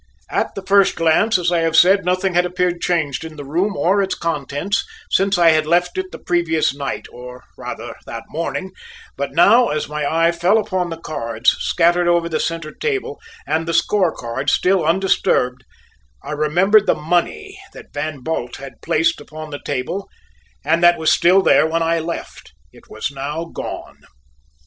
At the first glance, as I have said, nothing had appeared changed in the room or its contents since I had left it the previous night, or rather that morning, but now as my eye fell upon the cards scattered over the centre table, and the score card still undisturbed, I remembered the money that Van Bult had placed upon the table and that was still there when I left. It was now gone.